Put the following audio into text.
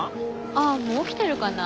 あもう起きてるかな？